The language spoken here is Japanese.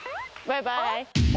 バイバイ。